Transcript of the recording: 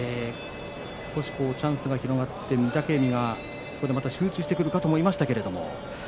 少しチャンスが広がって御嶽海がここでまた集中してくるかと思いましたけれど。